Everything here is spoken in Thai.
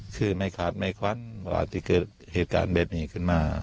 คือไม่ขาดไม่ควัดที่เกิดเหตุการณ์แบบนี้ขึ้นมา